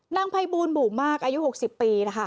นางไพบูนบู่มากอายุ๖๐ปี